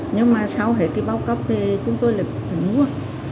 nhưng mà sau hết cái báo cấp thì chúng tôi lại phải mua